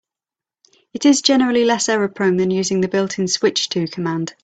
It is generally less error-prone than using the built-in "switch to" command.